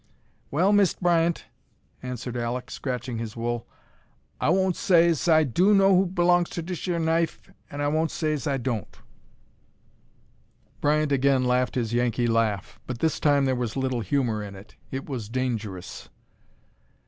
"Well, Mist' Bryant," answered Alek, scratching his wool, "I won't say 's I do know who b'longs ter dish yer knife, an' I won't say 's I don't." Bryant again laughed his Yankee laugh, but this time there was little humor in it. It was dangerous.